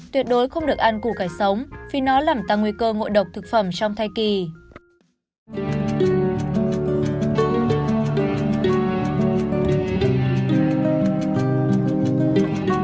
tuyệt đối không được ăn củ cải sống vì nó làm tăng nguy cơ ngộ độc thực phẩm trong thai kỳ